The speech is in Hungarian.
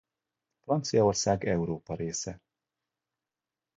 Franciaország Európa része.